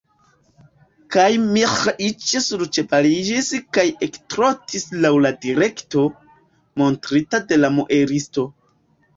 Kaj Miĥeiĉ surĉevaliĝis kaj ektrotis laŭ la direkto, montrita de la muelisto.